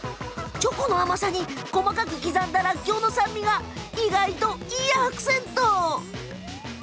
チョコの甘さに細かく刻んだらっきょうの酸味がいいアクセント。